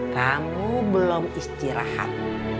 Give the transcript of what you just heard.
kamu belum istirahat